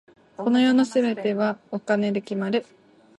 この世の全てはお金で決まる。